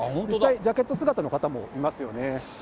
実際、ジャケット姿の方もいますよね。